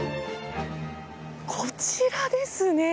こちらですね。